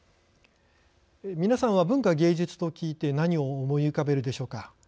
皆さんは文化芸術と聞いて何を思い浮かべるでしょうか。